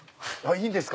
いいんですか！